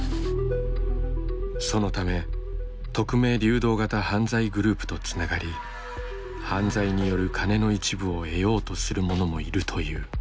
そのため匿名・流動型犯罪グループとつながり犯罪によるカネの一部を得ようとする者もいるという。